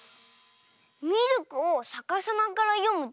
ミルクをさかさまからよむとくるみ。